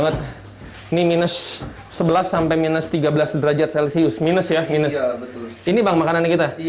ini minus sebelas sampai minus tiga belas derajat celsius minus ya ini makanannya kita